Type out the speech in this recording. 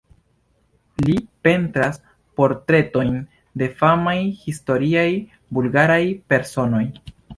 Li pentras portretojn de famaj historiaj bulgaraj personoj.